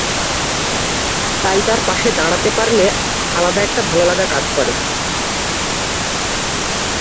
তাই তার পাশে দাঁড়াতে পারলে আলাদা একটা ভালো লাগা কাজ করে।